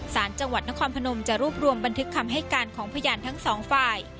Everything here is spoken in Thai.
สารจังหวัดนครพนมจะรวบรวมบันทึกคำให้การของพยานทั้งสองฝ่าย